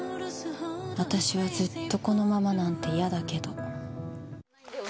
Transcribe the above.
私はずっとこのままなんて嫌だけど。